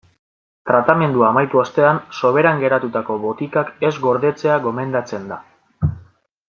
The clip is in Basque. Tratamendua amaitu ostean soberan geratutako botikak ez gordetzea gomendatzen da.